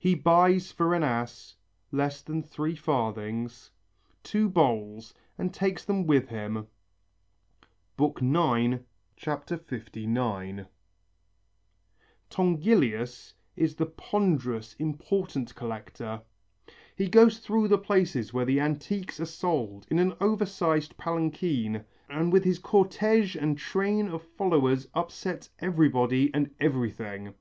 He buys for an as (less than three farthings) two bowls and takes them with him" (IX, 59). Tongilius is the ponderous, important collector. He goes through the places where the antiques are sold in an over sized palanquin and with his cortège and train of followers upsets everybody and everything.